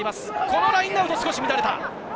このラインアウトは少し乱れた。